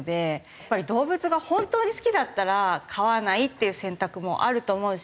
やっぱり動物が本当に好きだったら飼わないっていう選択もあると思うし。